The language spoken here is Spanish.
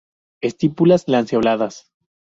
Estípulas lanceoladas.